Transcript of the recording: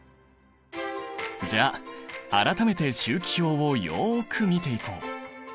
じゃあ改めて周期表をよく見ていこう。